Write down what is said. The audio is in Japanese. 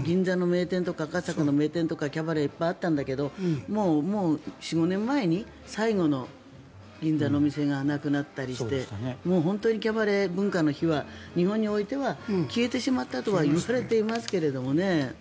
銀座の名店とか赤坂の名店とかキャバレーいっぱいあったんだけどもう４５年前に最後の銀座のお店がなくなったりしてもう本当にキャバレー文化の火は日本においては消えてしまったとは言われていますけどね。